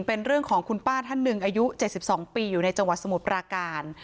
เป็นเรื่องของคุณป้าท่านหนึ่งอายุ๗๒ปีอยู่ในจังหวัดสมุทรปราการ